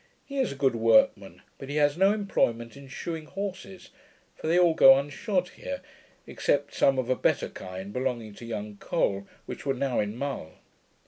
He is a good workman; but he has no employment in shoeing horses, for they all go unshod here, except some of a better kind belonging to young Col, which were now in Mull.